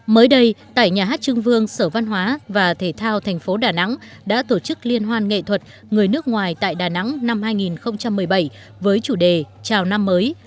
mới đây tại nhà hát trưng vương sở văn hóa và thể thao thành phố đà nẵng đã tổ chức liên hoan nghệ thuật người nước ngoài tại đà nẵng năm hai nghìn một mươi bảy với chủ đề chào năm mới